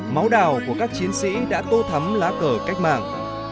máu đào của các chiến sĩ đã tô thắm lá cờ cách mạng